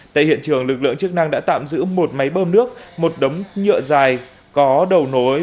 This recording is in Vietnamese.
tại hiện trường lực lượng chức năng đã tạm giữ một máy bơm nước một đống nhựa dài có đầu nối